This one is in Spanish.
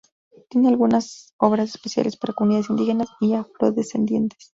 Tienen algunas obras especiales para comunidades indígenas y afrodescendientes.